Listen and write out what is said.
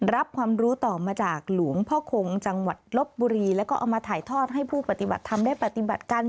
รับความรู้ต่อมาจากหลวงพ่อคงจังหวัดลบบุรีแล้วก็เอามาถ่ายทอดให้ผู้ปฏิบัติธรรมได้ปฏิบัติกัน